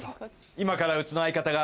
今からうちの相方が。